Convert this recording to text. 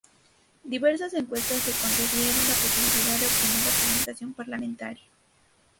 Diversas encuestas le concedieron la posibilidad de obtener representación parlamentaria.